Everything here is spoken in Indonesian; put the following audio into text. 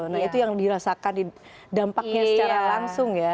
nah itu yang dirasakan dampaknya secara langsung ya